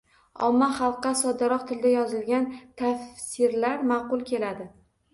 Omma xalqqa soddaroq tilda yozilgan tafsirlar ma’qul keladi.